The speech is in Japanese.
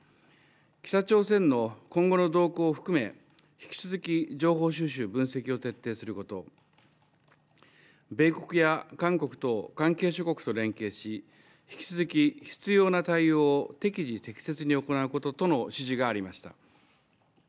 北朝鮮の今後の動向を含め引き続き情報収集、分析を徹底すること米国や韓国と関係諸国と連携し引き続き必要な対応を適時適切に行うこととの指示がありました。